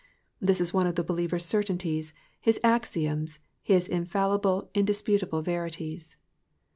'''* This is one of the believer's certainties, his axioms, his infallible, indisputable verities.